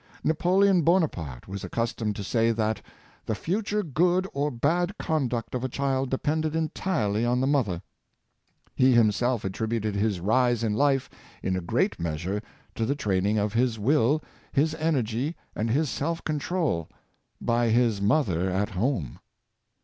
Napoleon Bonaparte was accustomed to say that " the future good or bad conduct of a child depended entirely on the mother." He himself attributed his rise in life in a great measure to the training of his will, his energy^ and his self control, by his mother at home.